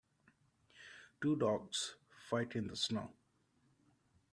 Two dogs fight in the snow.